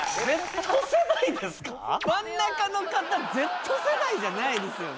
・強そう真ん中の方Ｚ世代じゃないですよね